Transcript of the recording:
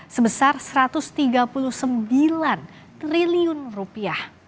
sebesar satu ratus tiga puluh sembilan triliun rupiah